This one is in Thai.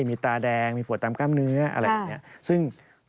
มีตาแดงมีปวดตามกล้ามเนื้ออะไรอย่างนี้